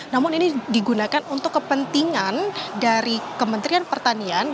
namun ini digunakan untuk kepentingan dari kementerian pertanian